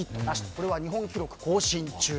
これは日本記録更新中。